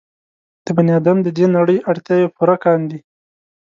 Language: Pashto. د بني ادم د دې نړۍ اړتیاوې پوره کاندي.